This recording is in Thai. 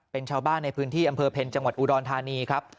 เป็นชาวบ้านในพื้นที่อำเภอเพ็ญจังหวัดอุดรธานีครับ